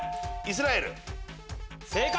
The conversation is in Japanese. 正解！